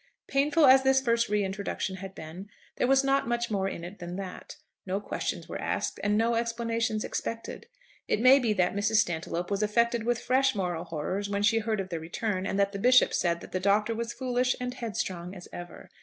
Painful as this first re introduction had been, there was not much more in it than that. No questions were asked, and no explanations expected. It may be that Mrs. Stantiloup was affected with fresh moral horrors when she heard of the return, and that the Bishop said that the Doctor was foolish and headstrong as ever.